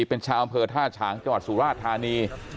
เป็นชาวอำเภอท่าฉางจังหวัดสุราชธานี